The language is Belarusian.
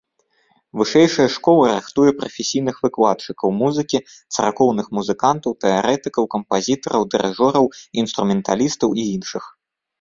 Вышэйшая школа рыхтуе прафесійных выкладчыкаў музыкі, царкоўных музыкантаў, тэарэтыкаў, кампазітараў, дырыжораў, інструменталістаў і іншых.